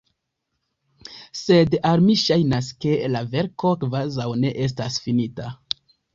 Sed al mi ŝajnas, ke la verko kvazaŭ ne estas finita.